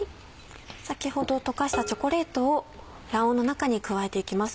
先ほど溶かしたチョコレートを卵黄の中に加えていきます。